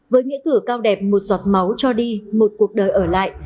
với nghĩa cử cao đẹp một giọt máu cho đi một cuộc đời ở lại